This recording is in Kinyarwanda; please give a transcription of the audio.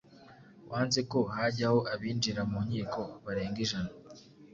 wanze ko hajyaho abinjira mu nkiko barenga ijana –